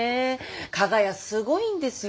かが屋すごいんですよ。